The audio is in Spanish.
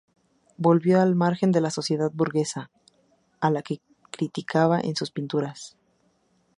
Vivió al margen de la sociedad burguesa, a la que criticaba en sus pinturas.